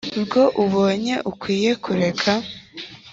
urwo ubonye ukwiye kureka